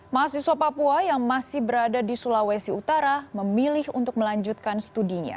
mahasiswa papua yang masih berada di sulawesi utara memilih untuk melanjutkan studinya